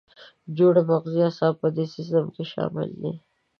جوړې مغزي اعصاب په دې سیستم کې شامل دي.